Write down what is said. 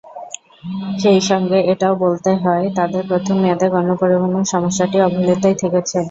সেই সঙ্গে এটাও বলতে হয়, তাদের প্রথম মেয়াদে গণপরিবহনের সমস্যাটি অবহেলিতই থেকেছে।